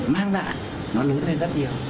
mang lại nó lớn lên rất nhiều